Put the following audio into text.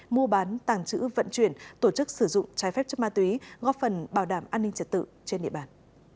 mua bán tàng trữ vận chuyển tổ chức sử dụng trái phép chất ma túy góp phần bảo đảm an ninh trật tự trên địa bàn